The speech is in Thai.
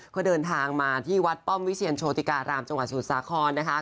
เขาเดินทางมาที่วัดป้อมวิเชียรโชติการามจังหวัดสมุทรสาครนะคะ